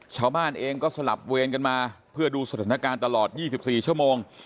ชาวบ้านเองก็สลับเวรกันมาเพื่อดูสถานการณ์ตลอด๒๔ชั่วโมง